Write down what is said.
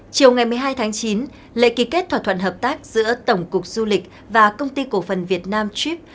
chiều ngày một mươi hai tháng chín lễ ký kết thỏa thuận hợp tác giữa tổng cục du lịch và công ty cổ phần việt nam trip